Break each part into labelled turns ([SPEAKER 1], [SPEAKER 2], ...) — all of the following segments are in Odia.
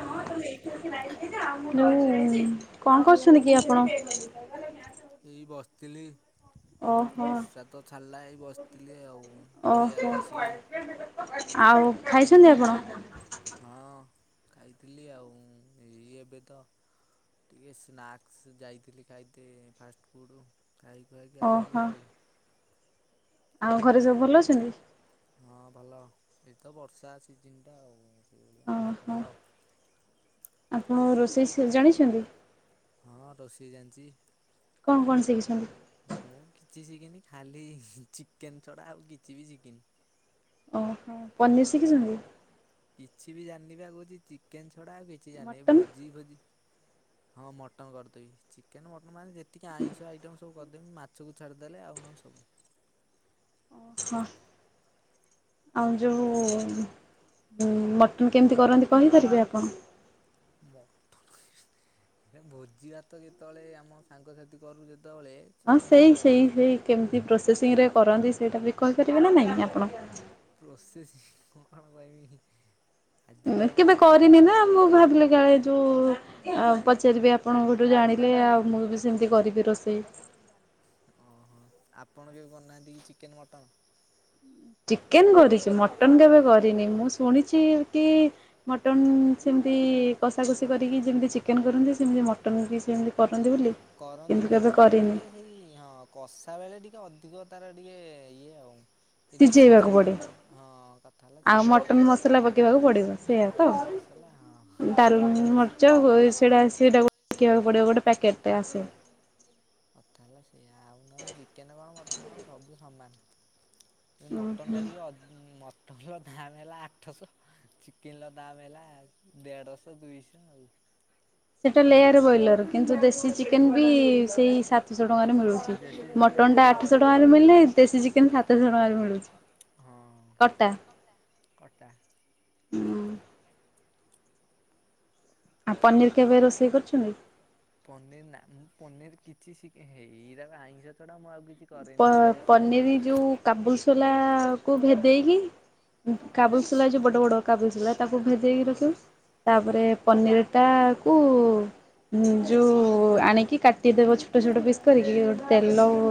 [SPEAKER 1] ହଁ।
[SPEAKER 2] ଯଉ କଣ କରୁଛନ୍ତି କି ଆପଣ?
[SPEAKER 1] ଏଇ ବସିଥିଲି।
[SPEAKER 2] ଓହୋ
[SPEAKER 1] ବର୍ଷା ତ ଛାଡିଲା ଏଇ ବସିଥିଲି ଆଉ ପଡିଆ
[SPEAKER 2] ଓହୋ।
[SPEAKER 1] ଆଡେ ଆସିକି
[SPEAKER 2] ଆଉ
[SPEAKER 1] ବ
[SPEAKER 2] ଖାଇଛନ୍ତି ଆପଣ?
[SPEAKER 1] ହଁ ଖାଇଥିଲି ଆଉ ଏଇ ଏବେ ତ ଟିକେ ସ୍ନାକ୍ସ ଯାଇଥିଲି ଖାଇତ ଫାଷ୍ଟ ଫୁଡ। ଖାଇ ଖାଇକି
[SPEAKER 2] ଓହୋ
[SPEAKER 1] ଆଇଲି ଆଉ
[SPEAKER 2] ଆଉ ଘରେ ସବୁ ଭଲ ଅଛନ୍ତି।
[SPEAKER 1] ହଁ ଭଲ ଏ ତ ବର୍ଷା ସିଜନଟା ଆଉ
[SPEAKER 2] ଓହୋ
[SPEAKER 1] ଭଲ।
[SPEAKER 2] ଆପଣ ରୋଷେଇ ସ ଜାଣିଛନ୍ତି?
[SPEAKER 1] ହଁ ରୋଷେଇ ଜାଣିଛି।
[SPEAKER 2] କଣ କଣ ଶିଖିଛନ୍ତି?
[SPEAKER 1] ମୁଁ କିଛି ଶିଖିନି ଖାଲି ଚିକେନ ଛଡ଼ା ଆଉ କିଛି ବି ଶିଖିନି?
[SPEAKER 2] ଓହୋ ପନିର୍ ଶିଖିଛନ୍ତି?
[SPEAKER 1] କିଛି ବି ଜାଣିନିବା କହୁଛି ଚିକେନ ଛଡା ଆଉ କିଛି ଜାଣିନି ଏଇ
[SPEAKER 2] ମଟନ୍
[SPEAKER 1] ଭୋଜି ଭୋଜି ହଁ ମଟନ୍ କରିଦେବି ଚିକେନ ମଟନ୍ ମାନେ ଯେତିକି ଆଇଁଷ ଆଇଟମ୍ ସବୁ କରିଦେବି ମାଛକୁ ଛାଡ଼ିଦେଲେ ଆଉ ନହେଲେ ସବୁ।
[SPEAKER 2] ହଁ। ଆଉ ଯୋଉ ମଟନ୍ କେମିତି କରନ୍ତି କହିପାରିବେ ଆପଣ?
[SPEAKER 1] ମଟନ୍‌ ହେ ଭୋଜି ଭାତ ଯେତେବେଳେ ଆମ ସାଙ୍ଗସାଥି କରୁ ଯେତେବେଳେ
[SPEAKER 2] ହଁ
[SPEAKER 1] ସେତେବେଳେ
[SPEAKER 2] ସେଇ
[SPEAKER 1] ମୁଁ କରେ
[SPEAKER 2] ସେଇ ସେଇ କେମିତି ପ୍ରୋସେସିଂରେ କରନ୍ତି ସେଇଟା ବି କହିପାରିବେ ନା ନାଇଁ ଆପଣ?
[SPEAKER 1] ପ୍ରୋସେସ କଣ ଆଉ କହିବି ଆଜିକାଲି ତ
[SPEAKER 2] କେବେ କରିନି
[SPEAKER 1] ଇଣ୍ଟରନେଟ
[SPEAKER 2] ନା ମୁଁ ଭାବିଲି କାଳେ ଯୋଉ ଆଉ ପଚାରିବି ଆପଣଙ୍କଠୁ ଜାଣିଲେ ଆଉ ମୁଁ ବି ସେମତି କରିବି ରୋଷେଇ?
[SPEAKER 1] ଓହୋ ଆପଣ କେବେ ବନାନ୍ତି ଚିକେନ, ମଟନ।
[SPEAKER 2] ଚିକେନ କରିଛି ମଟନ କେବେ କରିନି ମୁଁ ଶୁଣିଛି କି? ମଟନ୍ ସେମିତି କଷା କଷି କରିକି ଯେମିତି ଚିକେନ କରନ୍ତି ସେମିତି ମଟନ୍ ବି ସେମିତି। କରନ୍ତି ବୋଲି।
[SPEAKER 1] କରନ୍ତି
[SPEAKER 2] କେବେ
[SPEAKER 1] କିନ୍ତୁ
[SPEAKER 2] କରିନି
[SPEAKER 1] ଟିକେ ସେଇ ହଁ। କଷା ବେଳେ ଟିକେ ଅଧିକ ତାର ଟିକେ ଇଏ ଆଉ ଇଏ ଟିକେ
[SPEAKER 2] ସିଝେଇବାକୁ
[SPEAKER 1] ସିଝିବ
[SPEAKER 2] ପଡ଼େ।
[SPEAKER 1] ହଁ କଥା ହେଲା ସେୟା
[SPEAKER 2] ମଟନ
[SPEAKER 1] ଆଉ ମଟନ୍ ମସଲା
[SPEAKER 2] ପକେଇବାକୁ ପଡ଼ିବ ସେଇଆ ତ?
[SPEAKER 1] ପକେଇବାକୁ ପଡ଼ିବନି। ତାଲେ ଆଉ
[SPEAKER 2] ଡାଲ
[SPEAKER 1] ନହେଲେ କିଛି
[SPEAKER 2] [unintelligible] ଗୋଟେ ପ୍ୟାକେଟଟା ଆସେ।
[SPEAKER 1] କଥା ହେଲା ସେୟା ଆଉ ନହେଲେ ଚିକେନ କଣ ମଟନ କଣ ସବୁ ସମାନ। ମୁ
[SPEAKER 2] ଉଁ
[SPEAKER 1] ମଟନ୍ ଟା
[SPEAKER 2] ହୁଁ।
[SPEAKER 1] ଟିକେ ଅଧ୍ ମଟନର ଦାମ୍ ହେଲା ଆଠଶହ ଚିକେନର ଦାମ୍ ହେଲା। ଦେଢଶହ, ଦୁଇଶହ ଆଉ।
[SPEAKER 2] ସେଇଟା ଲେୟାର ବ୍ରଏଲର କିନ୍ତୁ ଦେଶୀ ଚିକେନ ବି ସେଇ ସାତ ଶଶହ ଟଙ୍କାରେ
[SPEAKER 1] ହଁ
[SPEAKER 2] ମିଳୁଛି
[SPEAKER 1] ଦେଶୀ ଚିକେନ
[SPEAKER 2] ମଟନ୍ ଟା ଆଠଶହ
[SPEAKER 1] ଛଅଶହ।
[SPEAKER 2] ଟଙ୍କାର ମିଳିଲେ ଦେଶୀ ଚିକେନ ସାତଶହ ଟଙ୍କାରେ ମିଳୁଛି। କଟା?
[SPEAKER 1] ଅଟା? ଅଟା?
[SPEAKER 2] ହୁଁ ଆଉ ପନିର କେବେ ରୋଷେଇ କରିଛନ୍ତି?
[SPEAKER 1] ପନିର ନା ମୁଁ ପନିର କିଛି ହେଇ ଆଇଁଷ ଛଡା ମୁଁ ଆଉ କିଛି
[SPEAKER 2] ପ
[SPEAKER 1] କରେନି। ରୋଷେଇ ବାସ।
[SPEAKER 2] ପନିର ଯୋଉ କାବୁଲସୋଲାକୁ ଭେଦେଇକି କାବୁଲସୋଲା ଯୋଉ ବଡ଼ ବଡ଼ କାବୁଲସୋଲାଟାକୁ ଭେଦେଇକି ରହିବ
[SPEAKER 1] ହଁ
[SPEAKER 2] ତାପରେ ପନିରଟାକୁ ଯୋଉ ଆଣିକି କାଟିଦେବ ଛୋଟ ଛୋଟ ପିସ୍ କରିକି ଗୋଟେ ତେଲ
[SPEAKER 1] ହଁ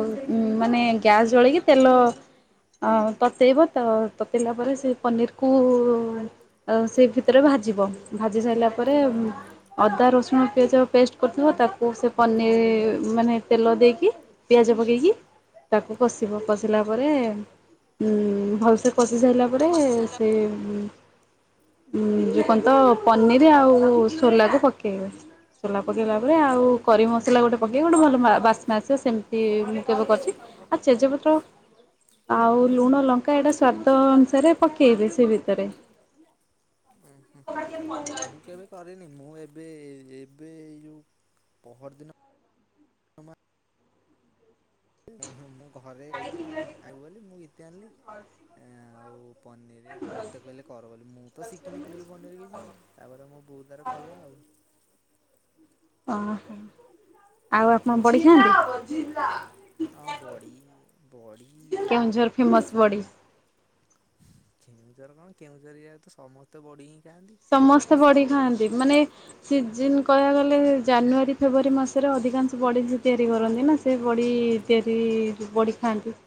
[SPEAKER 2] ମାନେ ଗ୍ୟାସ୍ ଜଳେଇକି ତେଲ ଆଉ ତତେଇବ ତ ତତେଇଲା ପରେ ସେଇ ପନିରକୁ ଉଁ ଆଉ ସେଇ ଭିତେରେ ଭାଜିବ ଭାଜି ସାଇଲା ପରେ ଉଁ ଅଦା ରସୁଣ ପିଆଜ ପେଷ୍ଟ କରିଥିବ ତାକୁ ସେ ପନି ମାନେ ତେଲ ଦେଇକି ପିଆଜ ପକେଇକି ତାକୁ କସିବ କସିଲା ପରେ ଉଁ ଭଲ ସେ କସି ସାଇଲା ପରେ ସେ ଉଁ ଉଁ କଁ ତ ପନିରି ଆଉ ସୋଲାକୁ ପକେଇବେ। ମସଲା ପକେଇଲା ପରେ
[SPEAKER 1] ଅଁ ହଁ
[SPEAKER 2] ଆଉ କରି ମସଲା ଗୋଟେ ପକେଇ ଗୋଟେ ଭଲ ବା ବାସ୍ନା ଆସିବ ସେମତି ହୁଁ କେବେ କରଛି ଆ ଚେଜପତ୍ର ଆଉ ଲୁଣ ଲଙ୍କା ଏଇଟା ସ୍ଵାଦ ଅନୁସାରେ ପକେଇବେ ସେଇ ଭିତରେ।
[SPEAKER 1] ଉଁ ହୁଁ। ମୁଁ କେବେ କରେନି ମୁଁ ଏବେ ଏବେ ଏଇ ଯୋଉ ପହରଦିନ ଉଁ ହୁଁ ମୁଁ ଘରେ କହିଥିଲି ଆଗ୍ ଆଗ ଯେ ମୁଁ ଗୀତା ଆଣିଲି ଆଁ ଆଉ ପନିରି ମତେ କହିଲେ କର ବୋଲି ମୁଁ ତ ଶିକିନି ପନିଅରୀ ଫନିଅରୀ କିଛି। ତାପରେ ମୋ ବୋଉ ତାର କଲା ଆଉ।
[SPEAKER 2] ଓହୋ ଆଉ ଆପଣ ବଡି ଖାଆନ୍ତି।
[SPEAKER 1] ହଁ ବଡି ବଡି ଏଇ ଯୋଉ
[SPEAKER 2] କେଉଁଝର ଫେମସ୍
[SPEAKER 1] ଖସା
[SPEAKER 2] ବଡି
[SPEAKER 1] କେଉଁଁଝର କଣ କେଉଁଝରିଆ ତ ସମସ୍ତେ ବଡି ହିଁ ଖାଆନ୍ତି।
[SPEAKER 2] ସମସ୍ତେ
[SPEAKER 1] ଖସା
[SPEAKER 2] ବଡି
[SPEAKER 1] ବଡ଼ି
[SPEAKER 2] ଖାଆନ୍ତି ମାନେ ସିଜିନି କହିବାକୁ ଗଲେ ଜାନୁଆରୀ ଫେବୁଆରୀ ମାସେରେ ଅଧିକାଂଶ ବଡି ହିଁ ତିଆରି କରନ୍ତି ନା। ତେ ବଡି
[SPEAKER 1] ଉଁ,
[SPEAKER 2] ତିଆରି ବଡି ଖାଆନ୍ତି।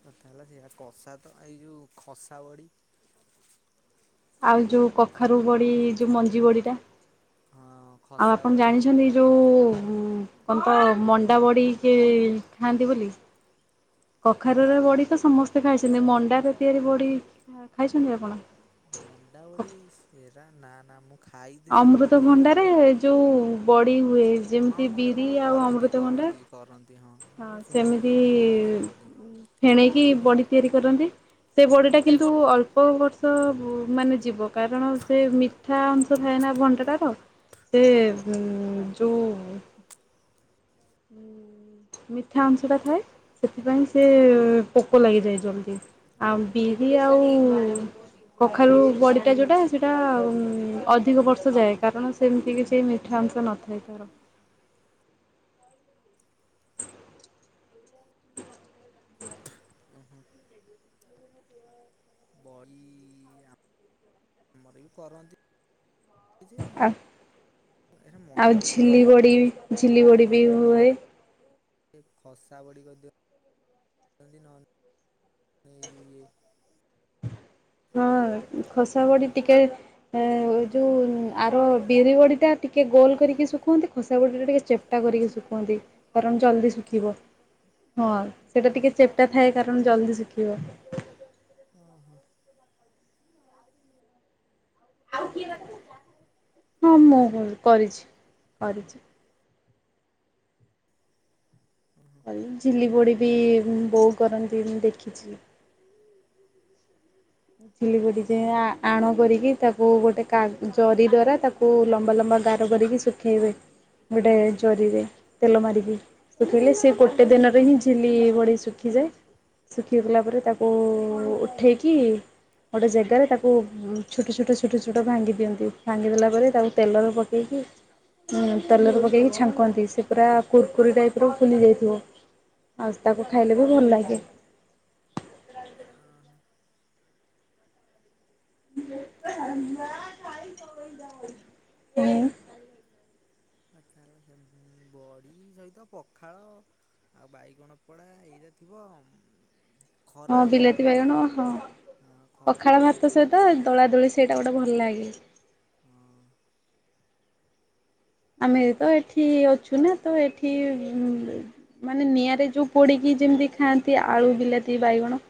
[SPEAKER 1] କଥା ହେଲେ ସେଇଆ କଷା ତ ଏଇ ଯୋଉ ଖସା ବଡି
[SPEAKER 2] ଆଉ ଯୋଉ କଖାରୁ ବଡି ଯୋଉ ମଞ୍ଜି ବଡିଟା
[SPEAKER 1] ହଁ।
[SPEAKER 2] ଆଉ
[SPEAKER 1] ଖସା
[SPEAKER 2] ଆପଣ
[SPEAKER 1] ବଡ଼ି
[SPEAKER 2] ଜାଣିଛନ୍ତି ଏଇ ଯୋଉ ଉଁ କଣ ତ ମଣ୍ଡା ବଡିକି ଖାଆନ୍ତି ବୋଲି। କଖାରୁରେ
[SPEAKER 1] ନାନ
[SPEAKER 2] ବଡି ତ ସମସ୍ତେ ଖାଇଛନ୍ତି ମଣ୍ଡାରେ ତିଆରି ବଡି ଖା ଖାଇଛନ୍ତି ଆପଣ?
[SPEAKER 1] ମଣ୍ଡା ବଡି ସେରା ନାଁ ନାଁ ମୁ
[SPEAKER 2] ଅମୃତଭଣ୍ଡାରେ ଯୋଉ ବଡି ହୁଏ।
[SPEAKER 1] ହଁ
[SPEAKER 2] ଯେମତି
[SPEAKER 1] ଗୋଟେ
[SPEAKER 2] ବିରି
[SPEAKER 1] କଣ
[SPEAKER 2] ଆଉ
[SPEAKER 1] କରନ୍ତି
[SPEAKER 2] ଅମୃତଭଣ୍ଡା
[SPEAKER 1] କରନ୍ତି କରନ୍ତି
[SPEAKER 2] ହଁ
[SPEAKER 1] ମୁଁ
[SPEAKER 2] ସେମିତି
[SPEAKER 1] ଶୁଣିଛି ମୁଁ ଖାଇନି କେବେ ବୋଧେ
[SPEAKER 2] ଉଁ ଫେଣେଇକି
[SPEAKER 1] ଖାଇନି କେବେ
[SPEAKER 2] ବଢି ତିଆରି କରନ୍ତି ସେ ବଢିଟା କିନ୍ତୁ ଅଲ୍ ପ ବର୍ଷ ଉଁ ମାନେ ଯିବ କାରଣ ସେ ମିଠା ଅଂଶ ଥାଏ ନା ଭଣ୍ଡାଟାର। ସେ
[SPEAKER 1] ଓହୋ
[SPEAKER 2] ଉଁ ଯୋଉ ଉଁ ମିଠା ଅଂଶଟା ଥାଏ ସେଥିପାଇଁ ସେ ଉଁ ପୋକ ଲାଗିଯାଏ ଜଲଦି। ଆଉ ବିରି ଆଉ କଖାରୁ ବଡିଟା ଯେଉଟା ସେଇଟା ଉଁ ଅଧିକ ବର୍ଷ ଯାଏ କାରଣ ସେମତି କିଛି ମିଠା ଅଂଶ ନ ଥାଏ ତାର।
[SPEAKER 1] ଓ ହୋ। ବଇ ଆ ଆମର ବି କରନ୍ତି ଯେ
[SPEAKER 2] ଆ
[SPEAKER 1] ମୁଁ ଏ ହେ
[SPEAKER 2] ଆଉ
[SPEAKER 1] ମଣ୍ଡା ବଢି
[SPEAKER 2] ଝିଲି
[SPEAKER 1] କରନ୍ତି
[SPEAKER 2] ବଡ଼ି ଝିଲି
[SPEAKER 1] ନା
[SPEAKER 2] ବଡ଼ି ବି
[SPEAKER 1] ଆମର ତ
[SPEAKER 2] ହୁଏ।
[SPEAKER 1] ଏପଟେ ଏ ଖସା ବଢି କରିଦିଅ ଅନ୍ତି ନହନ୍ ଏଇ ଯୋଉ ଇଏ
[SPEAKER 2] ହଁ ଖସା ବଢି
[SPEAKER 1] ନାଉ
[SPEAKER 2] ଟିକେ ଆ ଓ ଯୋଉ ଉଁ
[SPEAKER 1] ଗୋଟେ
[SPEAKER 2] ଆର
[SPEAKER 1] କଣ କୁହନ୍ତି
[SPEAKER 2] ବିରି ବଢିଟା ଟିକେ ଗୋଲ
[SPEAKER 1] ଇଏଟା
[SPEAKER 2] କରିକି ଶୁଖୁଅନ୍ତି। ଖସା ବଡ଼ିଟା ଟିକେ ଚେପ୍ଟା କରିକି ଶୁଖନ୍ତି କାରଣ ଜଲ୍ଦି ଶୁଖିବ। ହଁ ସେଇଟା
[SPEAKER 1] ହଁ
[SPEAKER 2] ଟିକେ ଚେପଟା ଥାଏ କାରଣ ଜଲଦି ଶୁଖିବ।
[SPEAKER 1] ଅ ହଁ। କେବେ କରିଛ
[SPEAKER 2] ହଁ ମୁଁ କରିଚି କରିଚି।
[SPEAKER 1] ହଁ।
[SPEAKER 2] ଝିଲିବଡ଼ି ବି ବୋଉ କରନ୍ତି ମୁଁ ଦେଖିଚି। ଝିଲି
[SPEAKER 1] ଓହୋ
[SPEAKER 2] ବଡ଼ି ଯେ ଆ ଆଣ କରିକି ତାକୁ ଗୋଟେ କା ଜରି ଦ୍ଵାରା ତାକୁ ଲମ୍ବା ଲମ୍ବା ଗାର କରିକି ଶୁଖେଇବେ। ଗୋଟେ ଜରି ରେ ତେଲ ମାରିକି। ଶୁଖିଲେ ସେ ଗୋଟେ ଦିନରେ ହିଁ ଝିଲି ବଡି ଶୁଖିଯାଏ। ଶୁଖିଗଲା ପରେ ତାକୁ ଉଠେଇକି ଗୋଟେ ଜେଗାରେ ତାକୁ ଛୋଟ ଛୋଟ ଛୋଟ ଛୋଟ ଭାଙ୍ଗି ଦିଅନ୍ତି। ଭାଙ୍ଗିଦେଲା ପରେ ତାକୁ ତେଲରେ ପକେଇକି ତେଲରେ ପକେଇକି ଛାଙ୍କନ୍ତି, ସେ ପୁରା କୁୁରକୁରି ଟାଇପ ର ଫୁଲି ଯାଇଥିବ। ଆଉ ତାକୁ ଖାଇଲେ ବି ଭଲ ଲାଗେ।
[SPEAKER 1] ଆଁ ହ।
[SPEAKER 2] [inaudible]
[SPEAKER 1] କଥା ହେଲା ସେ ଉମ ବଡି ସହିତ ପଖାଳ ଆଉ ବାଇଗଣ ପୋଡା ଏଇରା ଥିବ ଉମ
[SPEAKER 2] ହଁ ବିଲାତି ବାଇଗଣ ହଁ
[SPEAKER 1] ଖରା
[SPEAKER 2] ପଖାଳ
[SPEAKER 1] ହେଉଥିବ
[SPEAKER 2] ଭାତ
[SPEAKER 1] ହଁ
[SPEAKER 2] ସହିତ ଦଳା ଦୋଳି ସେଇଟା ଗୋଟେ ଭଲ ଲାଗେ।
[SPEAKER 1] ହଁ।
[SPEAKER 2] ଆମେ ତ ଏଠି ଅଛୁ ନା ତ ଏଠି ମାନେ ନିଆଁରେ ଯୋଉ ପୋଡିକି ଯେମିତି ଖାଆନ୍ତି ଆଳୁ ବିଲାତି ବାଇଗଣ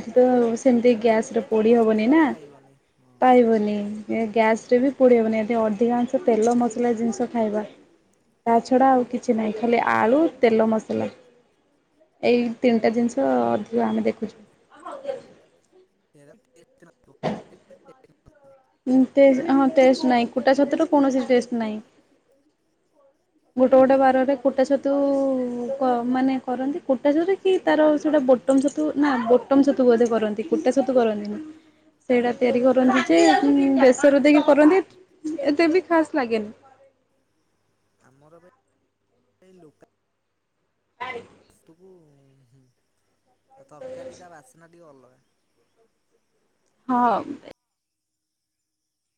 [SPEAKER 2] ଏଠି ତ ସେମିତି ଗ୍ୟାସ ରେ
[SPEAKER 1] ସେଠି ତ
[SPEAKER 2] ପୋଡି ହବନି ନା
[SPEAKER 1] ହଷ୍ଟେଲରେ ପାଇବନି ହଁ
[SPEAKER 2] ପାଇବନି। ଏ ଗ୍ୟାସ ରେ ବି ପୋଡି ହବନି ଏଦି ଅଧିକାଂଶ ତେଲ ମସଲା ଜିନିଷ ଖାଇବା ତା ଛଡା ଆଉ କିଛି ନାହିଁ ଖାଲି ଆଳୁ ତେଲ ମସଲା। ଏଇ ତିନିଟା ଜିନିଷ ଅଧିକ ଆମେ ଦେଖୁଚୁ।
[SPEAKER 1] [unintelligible]
[SPEAKER 2] ହଁ ଟେଷ୍ଟ୍ ନାଇଁ କୁଟା ଛତୁ ରୁ କୌଣସି ଟେଷ୍ଟ ନାହିଁ। ଗୋଟେ ଗୋଟେ ବାରରେ କୁଟା ଛତୁ କ ମାନେ କରନ୍ତି କୁଟା ଛତୁ କି ତାର ସେଇଟା ବୋଟମ୍ ଛତୁ ନା ବୋଟମ ଛତୁ ବୋଧେ କରନ୍ତି କୁଟା ଛତୁ କରନ୍ତି।। [inaudible] ସେଇଟା ତିଆରି କରନ୍ତି ଯେ, ବେଶର ଦେଇକି କରନ୍ତି ଏତେ ବି ଖାସ୍ ଲାଗେନି।
[SPEAKER 1] ଆମର ଏବେ ଏଇ ଲୋକ
[SPEAKER 2] [inaudible]
[SPEAKER 1] ଛତୁ କୁ ତରକାରୀ ତା ବାସ୍ନା ଟିକେ ଅଲଗା।
[SPEAKER 2] ହଁ।